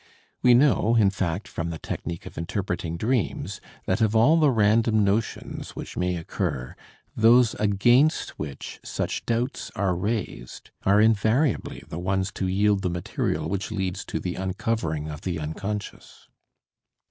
We know, in fact, from the technique of interpreting dreams, that of all the random notions which may occur, those against which such doubts are raised are invariably the ones to yield the material which leads to the uncovering of the unconscious.